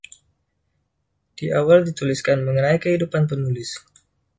Di awal dituliskan mengenai kehidupan penulis.